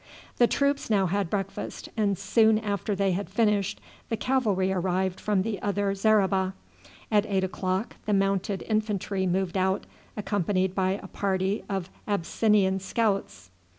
The troops now had breakfast, and soon after they had finished the cavalry arrived from the other zareba. At eight o'clock the Mounted Infantry moved out, accompanied by a party of Abyssinian scouts.